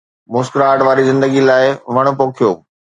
مسڪراهٽ واري زندگي لاءِ وڻ پوکيو.